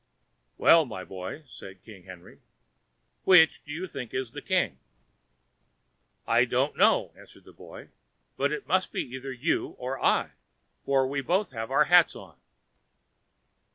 "Well, my boy," said King Henry, "which do you think is the king?" "I don't know," answered the boy; "but it must be either you or I, for we both have our hats on."